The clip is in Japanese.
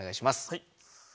はい。